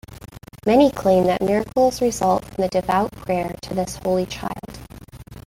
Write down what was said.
Many claim that miracles result from the devout prayer to this Holy Child.